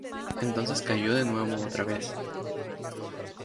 Entonces cayó de nuevo otra vez.